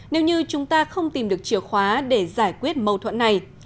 nếu như chúng ta không tìm được chìa khóa để giải quyết mâu thuẫn này